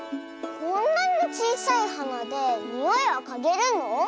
こんなにちいさいはなでにおいはかげるの？